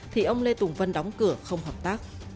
thì ông lê tùng vân đóng cửa không hợp tác